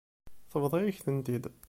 Tebḍa-yak-tent-id.